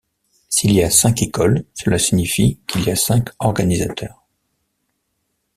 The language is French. S’il y a cinq écoles, cela signifie qu’il y a cinq organisateurs.